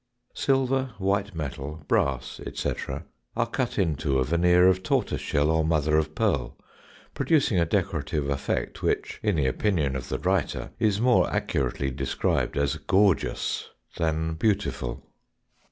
Silver, white metal, brass, etc., are cut into a veneer of tortoise shell or mother of pearl, producing a decorative effect which, in the opinion of the writer, is more accurately described as "gorgeous" than "beautiful."